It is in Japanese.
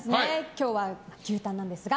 今日は牛タンなんですが。